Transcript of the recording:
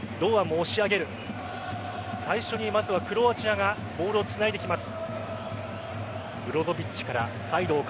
最初にクロアチアがボールをつないできます。